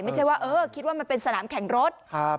ไม่ใช่ว่าเออคิดว่ามันเป็นสนามแข่งรถ